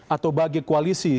atau bagi koalisi